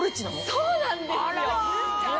そうなんですよ。